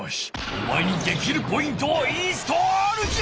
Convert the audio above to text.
おまえにできるポイントをインストールじゃ！